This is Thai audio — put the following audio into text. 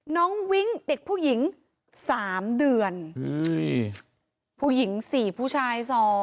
วิ้งเด็กผู้หญิง๓เดือนผู้หญิง๔ผู้ชาย๒